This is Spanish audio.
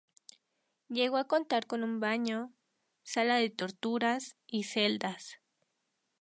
Llegó a contar con un baño, sala de torturas y celdas.